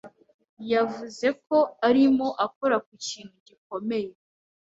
yavuze ko arimo akora ku kintu gikomeye.